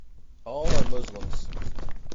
All are Muslims.